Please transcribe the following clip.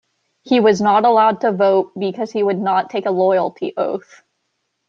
He was not allowed to vote because he would not take a loyalty oath.